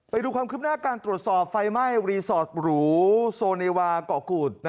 ไปดูความคืบหน้าการตรวจสอบไฟไหม้รีสอร์ทหรูโซเนวาเกาะกูด